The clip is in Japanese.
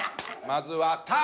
まずは「た」。